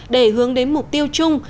để hướng đến mục tiêu chung